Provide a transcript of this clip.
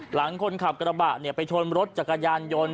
หลังคนขับกระบะไปชนรถจักรยานยนต์